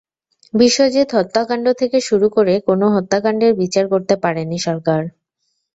বিশ্বজিৎ হত্যাকাণ্ড থেকে শুরু করে কোনো হত্যাকাণ্ডের বিচার করতে পারেনি সরকার।